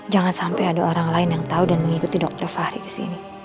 jangan sampai ada orang lain yang tahu dan mengikuti dokter fahri kesini